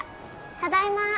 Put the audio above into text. ただいま！